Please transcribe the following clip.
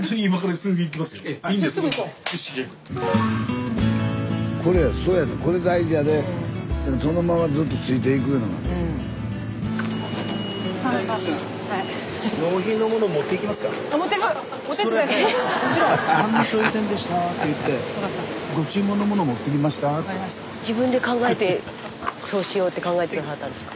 スタジオ自分で考えてそうしようって考えて下さったんですか？